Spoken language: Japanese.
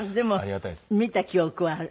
でも見た記憶はある。